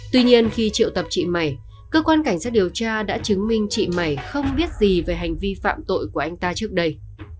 tuy nhiên khi triệu tập chị mày cơ quan cảnh sát điều tra đã chứng minh chị mày không biết gì về hành vi phạm tội của anh ta trước đây